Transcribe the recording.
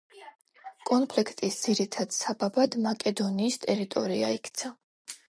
კონფლიქტის ძირითად საბაბად მაკედონიის ტერიტორია იქცა.